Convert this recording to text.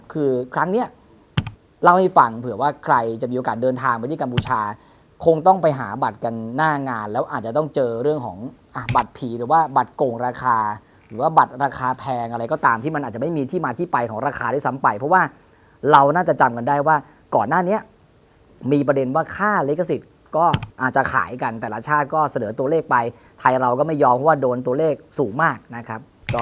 คือครั้งเนี้ยเล่าให้ฟังเผื่อว่าใครจะมีโอกาสเดินทางไปที่กัมพูชาคงต้องไปหาบัตรกันหน้างานแล้วอาจจะต้องเจอเรื่องของอ่ะบัตรผีหรือว่าบัตรโกงราคาหรือว่าบัตรราคาแพงอะไรก็ตามที่มันอาจจะไม่มีที่มาที่ไปของราคาด้วยซ้ำไปเพราะว่าเราน่าจะจำกันได้ว่าก่อนหน้านี้มีประเด็นว่าค่าก็อาจจะขายกั